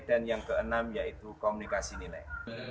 dan yang keenam yaitu komunikasi nilai